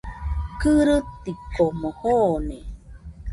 Kɨrɨtikomo joone